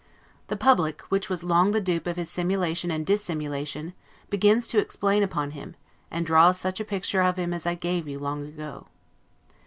The public, which was long the dupe of his simulation and dissimulation, begins to explain upon him; and draws such a picture of him as I gave you long ago.